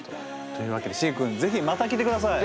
というわけでシゲ君是非また来てください。